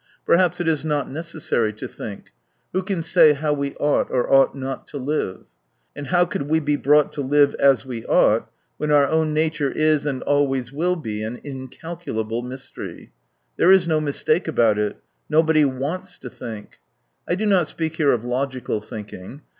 Perhaps it is not necessary to think — who can say how we ought or ought not to live ? And how could we be brought to live " as we ought," when our own nature is and always will be an incalculable mystery. There is no mis take about it, nobody mants to think, I do not speak here of logical thinking.